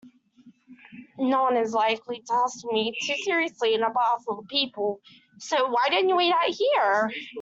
Noone is likely to hassle me too seriously in a bar full of people, so why don't you wait out here?